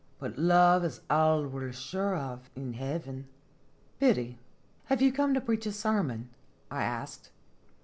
But love is all we 're sure of in heaven." "Biddy, have you come to preach a ser mon?" I asked.